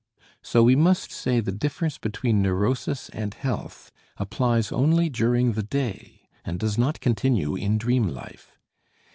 So we must say the difference between neurosis and health applies only during the day, and does not continue in dream life.